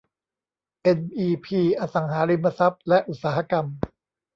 เอ็นอีพี อสังหาริมทรัพย์ และอุตสาหกรรม